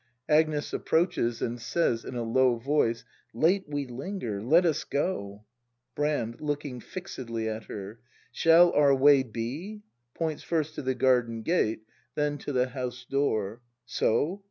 Agnes. {Ayiproaches, and says in a low voice.'l Late we linger: let us go. Brand. [Looking Jixedly at her.] Shall our way be [Foints first to the garden gate, then to the house door :\ So